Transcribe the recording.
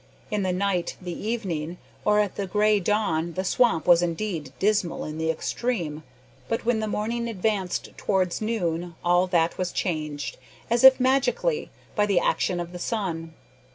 In the night the evening, or at the grey dawn, the swamp was indeed dismal in the extreme; but when the morning advanced towards noon all that was changed, as if magically, by the action of the sun.